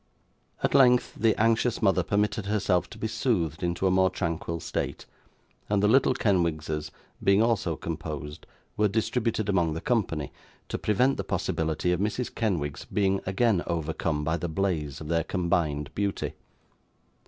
At length, the anxious mother permitted herself to be soothed into a more tranquil state, and the little Kenwigses, being also composed, were distributed among the company, to prevent the possibility of Mrs. Kenwigs being again overcome by the blaze of their combined beauty.